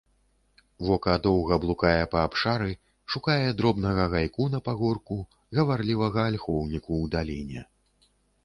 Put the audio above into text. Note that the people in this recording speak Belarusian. Вока доўга блукае па абшары, шукае дробнага гайку на пагорку, гаварлівага альхоўніку ў даліне.